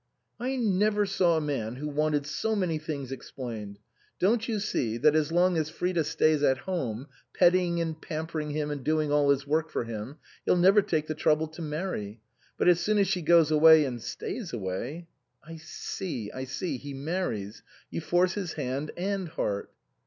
" I never saw a man who wanted so many things explained. Don't you see, that as long as Frida stays at home, petting and pampering him and doing all his work for him, he'll never take the trouble to marry ; but as soon as she goes away, and stays away "" I see, I see ; he marries. You force his hand and heart."